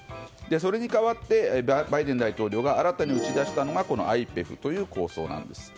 それに代わってバイデン大統領が新たに打ち出したのがＩＰＥＦという構想なんです。